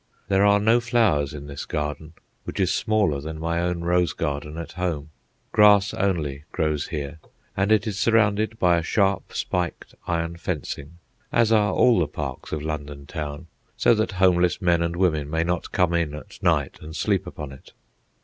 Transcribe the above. There are no flowers in this garden, which is smaller than my own rose garden at home. Grass only grows here, and it is surrounded by a sharp spiked iron fencing, as are all the parks of London Town, so that homeless men and women may not come in at night and sleep upon it.